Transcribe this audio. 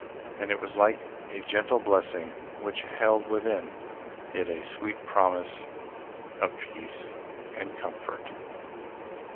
And it was like a gentle blessing which held within it a sweet promise of peace and comfort.